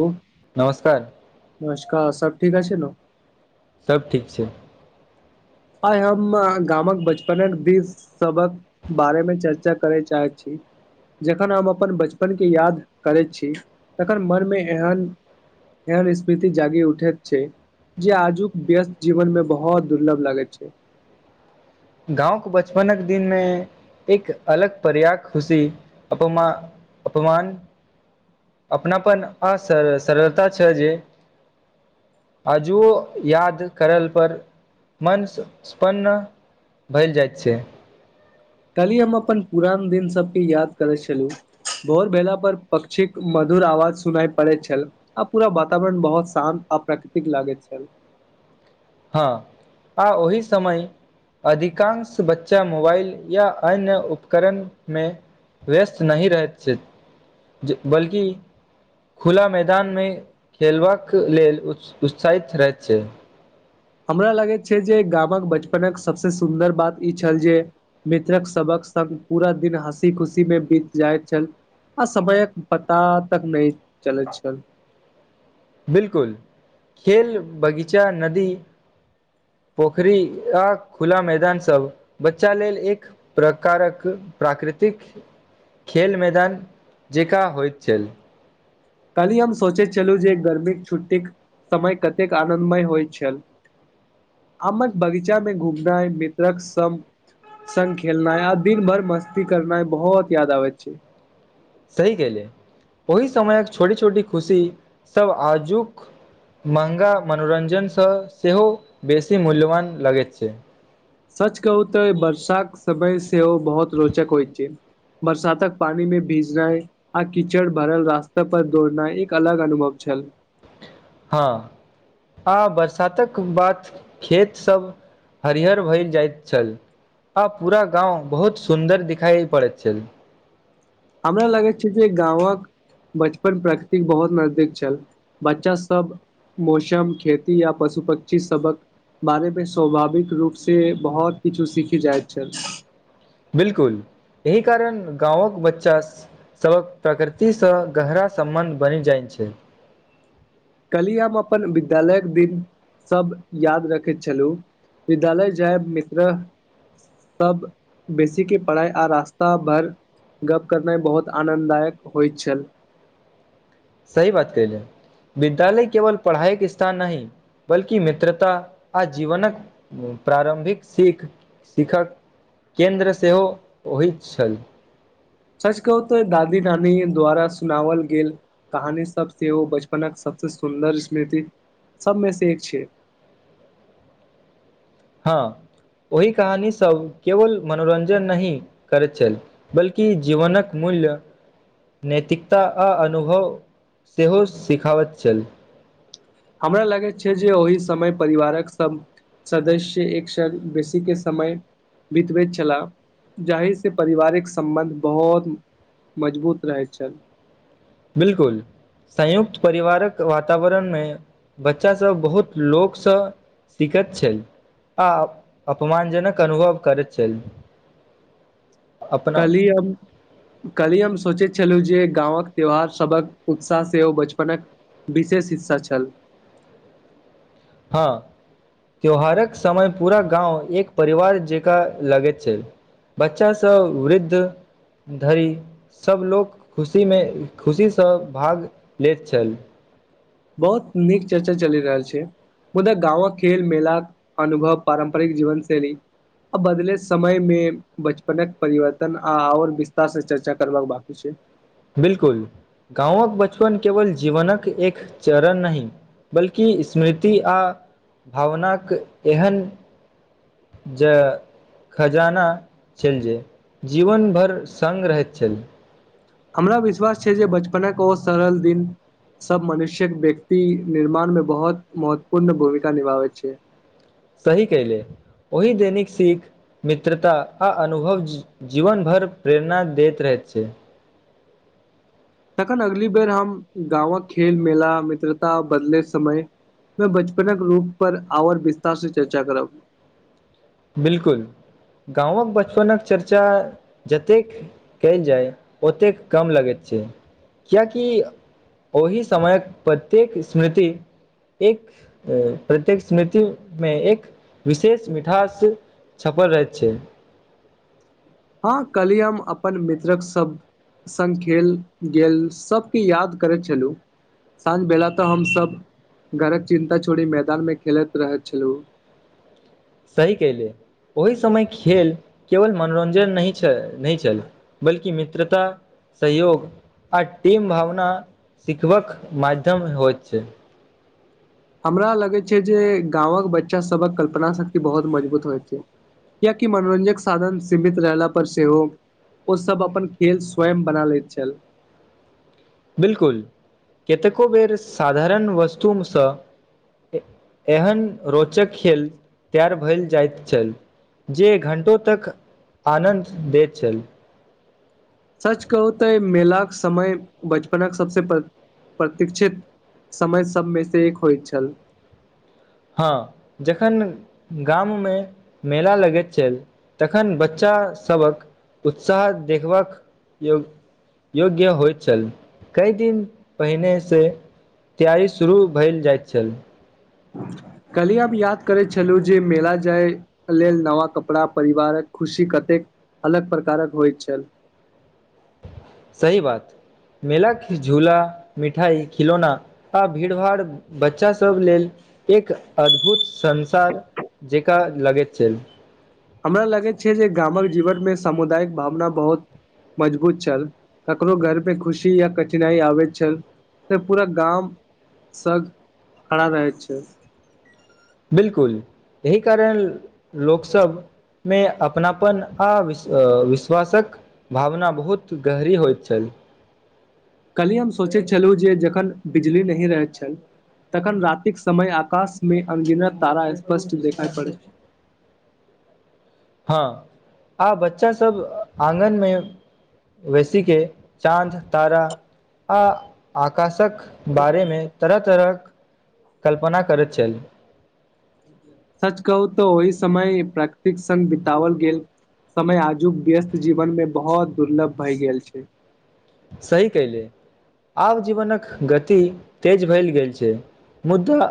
ह नमस्कार नमस्कार सब ठीक अछि न सब ठीक छै आइ हम गामक बचपनक दिस सबहक बारेमे चर्चा करय चाहै छी जखन हम अपन बचपनके याद करैत छी तखन मनमे एहन एन स्मृति जागी उठे छै जे आजुक व्यस्त जीवन में बहुत दुर्लभ लागैत छै गाँवके बचपनक दिनमे एक अलग पर्या खुशी अपमा अपमान अपनापन अ सर सरलता छ जे अजुओ याद करल पर मन स्पन भैल जाइत छै तलयै हम अपन पुरान दिन सभके याद करैय छलौ भोर भेला पर पक्षीक मधुर आवाज सुनाय पड़ै छैल आ पूरा वातावरण बहुत शान्त आ प्राकृतिक लागैत छैल हँ आ ओहि समय अधिकांश बच्चा मोबाइल या अन्य उपकरणमे व्यस्त नहि रहैत छै बल्कि खुला मैदानमे खेलबाक लेल उत्साहित रहैत छै हमरा लगैत छै जे गामक बचपनक सभसँ सुन्दर बात ई छल जे मित्रक सभक संग पूरा दिन हँसी खुशी मे बीत जाइत छल आ समयक पता तक नहि चलैत छल बिलकुल खेल बगीचा नदी [inaudible] पोखरी आ खुला मैदान सब बच्चा लेल एक प्रकारक प्राकृ खेल मैदान जेका हो छल कली हम सोचे चलू जे गर्मी छुट्टी समय कतेक आनन्दमय होइ छल अमर बगीचा में घुमनाई मित्रक सम संग खेलेनाई आ दिन भर मस्ती करनाई बहुत याद आ बइ छै सही केलै ओहि समयक छोटी छोटी खुशी सभ आजुक मँहगा मनोरञ्जनसँ सेहो बेसी मूल्यवान लगैत छै सच कहू तऽ वर्षाक समय सेहो बहुत रोचक होइ छै बरसातक पानी मे भीजनाइ आ कीचड़ भरल रास्ता पर दौड़नाइ एक अलग अनुभव छल [inaudible] हँ आ बरसातक बाद खेत सब हरिहर भैत जाइत छल आ पूरा गाँव बहुत सुन्दर दिखाई पड़ैत छै हमरा लागै छै जे गाँवक बचपन प्रकृतिक बहुत नजदीक छल बच्चा सब मोसम खेती या पशु पक्षी सबक बारेमपे स्वभाविक रूप से बहुत किछु सीखी जाय छै बिलकुल एहि कारण गाँंवक बच्चा सबक प्रकृति से गहरा सम्बंध बनि जाय छै [inaudible] कलहि हम अपन विद्यालयक दिन सब याद रखैत छलहुँ विद्यालय जायब मित्र्ह सब बेसी के पड़ाइ आ रास्ता बर्त गप करनाइ बहुत आनन्ददायक होइत छल सही बतैले विद्यालय केवल पढ़ाई के स्थान नहि बल्कि मित्रता आ जीवनक प्रारम्भिक सिख सिखक केन्द्र सेहो होइत छल सच कहू तऽ दादी नानी द्वारा सुनावल गेल कहानी सब सेओ बचपनक सबसँ सुन्दर स्मृति सबमे से एक छे हँ ओहि कहानीसब केवल मनोरञ्जन नहि करैत छल बल्कि जीवनक मूल मुूल्य नैतिकता आ अनुभव सेहो सिखाबैत छल हमरा लागैत छै जे ओहि समय परिवारक सब सदस्य एक साल बेसी के समय बितबैत छला जाहिसँ पारिवारिक सम्बन्ध बहुत मजबूत रहै छल बिलकुल संयुक्त परिवारक वातावरणमे बच्चा सब बहुत लोकसँ सीखैत छल आ अपमानजनक अनुभव करैत छल [inaudible] अपना कली हम कली हम सोचैत छलहुँ जे गांवक त्यौहार सभक उत्साह सेहो ओ बचपनक विशेष हिस्सा छल [inaudible] हँ त्यौहारक समय पूरा गाँव एक परिवार जकाँ लगैत छै बच्चा सँ वृद्ध धरि सभ लोक खुशी मे खुशी सँ भाग लैत छल बहुत नीक चर्चा चलि रहल छै मुदा गाँवक खेल मेल अनुभव पारम्परिक जीवनशैल आ बदले समय मे बचपनक परिवर्तन आ आओर विस्तार से चर्चा करबाक बाकी छै बिलकुल गाँवक बचपन केवल जीवनक एक चरण नहि बल्कि स्मृति आ भावनाक एहन जे खजाना छइल जे जीवन भर सङ्ग रहैत छल हमरा विश्वास छै जे बचपनक ओ सरल दिन सब मनुष्यक व्यक्ति निर्माण मे बहुत महत्वपूर्ण भूमिका निभाबै छै सही कैले ओहि दैनिक सिख मित्रता आ अनुभव जीवन भर प्रेरणा दैत रहैत छै तखन अगली बेर हम गाँवक खेल मेला मित्रता बदलइत समय में बचपनक रूप पर आओर विस्तार से चर्चा करब बिलकुल गाँवक बचपनक चर्चा जतेक कयल जाय ओतेक कम लगैत छै कियाकि ओहि समयक प्रत्येक स्मृति एक प्रत्येक स्मृति मे एक विशेष मिठास छपल रहैत छै हँ कलही हम अपन मित्रक सब संग खेल गेल सभके याद करैत छलू साँझ बेला तऽ हमसभ घरक चिन्ता छोड़ि मैदान मे खेलैत रहैत छलहुँ [inaudible] सही कयले ओहि समय खेल केवल मनोरञ्जन नहि छल नहि छल बल्कि मित्रता सहयोग आ टीम भावना सिखबाक माध्यम होइत छै हमरा लगै छै जे गाँवक बच्चा सभक कल्पना शक्ति बहुत मजबूत होइत छै कियाकि मनोरञ्जक साधन सीमित रहला पर सेहो ओसब अपन खेल स्वयं बना लैत छल बिलकुल कतेको बेर साधारण वस्तु सँ एहन रोचक खेल तैयार भेल जायत छल जे घण्टो तक आनन्द दैत छल सच कहु तँ मेलाक समय बचपन सबसँ प्रतीक्षित समय सभमे सँ एक होइत छल हँ जखन गाम मे मेला लगैत छल तखन बच्चा सभक उत्साह देखबाक योग योग्य होइत छल कई दिन पहिने सँ तैयारी शुरू भेल जाइत छल कहलियै हमब याद करै छलहुँ जे मेला जाय लेल नवा कपड़ा परिवारक खुशी कतेक अलग प्रकारक होइत छल सही बात मेलाक झूला मिठाई खिलौना आ भीड़ भाड़ बच्चा सब लेल एक अद्भुत संसार जेक लगैत छल हमरा लगैत छै जे गामक जीवनमे सामुदायिक भावना बहुत मजबूत छल ककरो घर पे खुशी या कठिनाई आबैत छल तअ पूरा गाम संग खड़ा रहै छै बिलकुल एहि कारण लोकसब मे अपनापन आ विश विश्वासक भावना बहुत गहरी होइत छल कहली हम सोचै छलहुँ जे जखन बिजली नहि रहैत छल तखन रातिक समय आकाशमे अंगिनत तारा स्पष्ट देखाइ पड़ै छै [inaudible] हँ आ बच्चा सब आंगनमे वैसी के चाँद तारा आ आकाशक बारेमे तरह तरहक कल्पना करैत छल सच कहू तऽ ओहि समय प्राकृतिक संघ बितावल गेल समय आजुक व्यस्त जीवन मे बहुत दुर्लभ भए गेल छै सही केहले आब जीवनक गति तेज भेल गेल छै मुदा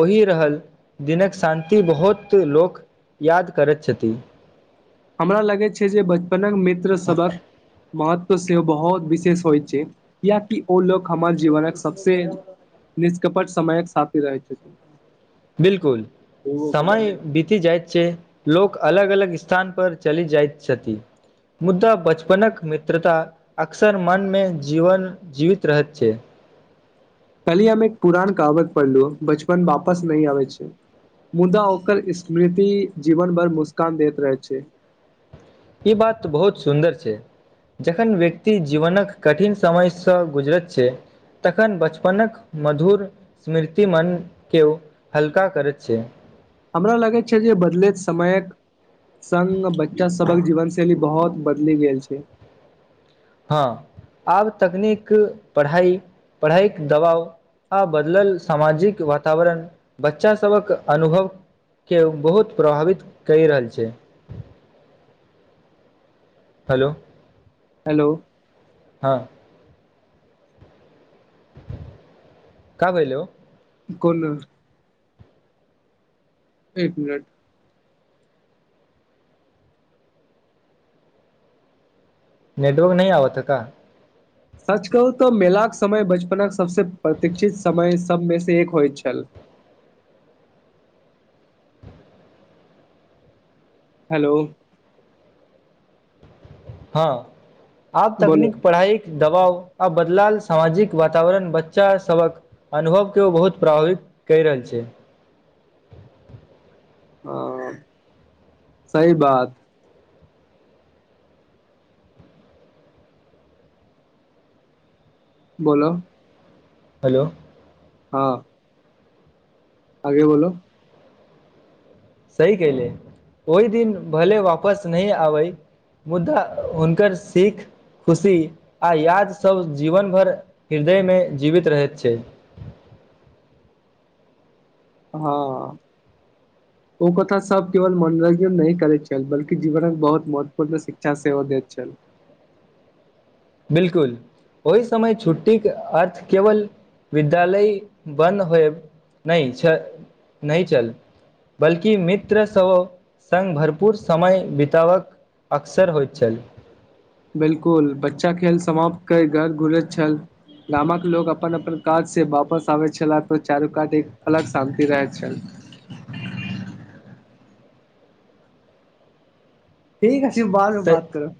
ओहि रहल दिनक शान्ति बहुत लोक याद करैत छथिन हमरा लगैत छै जे बचपनक मित्र सभक महत्व सेहो बहुत विशेष होइत छै कियाकि ओ लोक हमर जीवनक सभसँ निष्कपट समयक साथी रहै छै बिलकुल समय बीति जाइत छै लोक अलग अलग स्थान पर चलि जाइत छथि मुद्दा बचपनक मित्रता अक्सर मनमे जीवन जीवित रहैत छै कल्हि हम एक पुराान कहावत पढ़लू बचपन वापस नहि आवे छै मुदा ओकर स्मृति जीवन भर मुस्कान दैत रहै छै ई बात बहुत सुन्दर छै जखन व्यक्ति जीवनक कठिन समयसँ गुजरैत छै तखन बचपनक मधुर स्मृतिमन केओ हल्का करैत छै हमरा लागैत छै जे बदलैत समयक सङ्ग बच्चा सभक जीवन शैली बहुत बदलि गेल छै हँ आब तकनीक पढ़ाइ पढ़ाइके दबाव आ बदलल सामाजिक वातावरण बच्चा सबक अनुभव के बहुत प्रभावित कई रहल छै ह हेलो हेलो हँ क भइले हो कोन एक मिनट नेटवर्क नहि आबत हइ का सच कहू तऽ मेलाके समय बचपनक सबस प्रतीक्षित समय सबमे से एक होइत छल [inaudible] हेलो हँ आब बोलो तकनीक पढ़ाइक दबाव आ बदलाल सामाजिक वातावरण बच्चा सभक अनुभव के ओ बहुत प्रभावित कइ रहल छै हँ सही बात बोलो हेलो हँ आगे बोलो सही कले ओहि दिन भले वापस नहि आबै मुदा हुनकर सिख खुशी आ यादसभ जीवन भर हृदयमे जीवित रहैत छै [inaudible] हँ ओ कथा सब केवल मनोरञ्जन नहि करैत छल बल्कि जीवनक बहुत महत्वपूर्ण शिक्षा सेहो दैत छल [inaudible] बिलकुल ओहि समय छुट्टीके अर्थ केवल विद्यालय बन्द होयब नहि छै नहि चल बल्कि मित्रसभ सँ सङ्ग भरपूर समय बितावक अक्सर होइत छल बिलकुल बच्चा खेल समाप्त कइ घर घुरैत छल गामक लोग अपन अपन काज से वापस आबै छलाह तऽ चारू कात एक अलग शान्ति रहैत छल [unintelligible] ठीके अछि बाद मे स बात करब